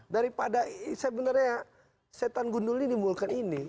daripada sebenarnya setan gundul ini di mulkan ini